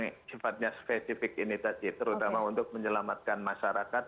yang sifatnya spesifik ini tadi terutama untuk menyelamatkan masyarakat